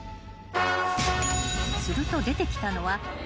［すると出てきたのは］ないよ。